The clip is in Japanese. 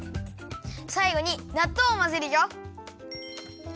さいごになっとうをまぜるよ。